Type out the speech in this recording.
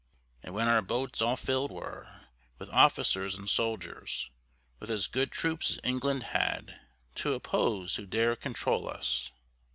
And when our boats all fillèd were With officers and soldiers, With as good troops as England had, To oppose who dare controul us?